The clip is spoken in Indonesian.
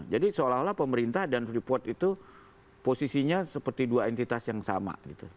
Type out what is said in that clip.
jadi seolah olah pemerintah dan free port itu posisinya seperti dua entitas yang sama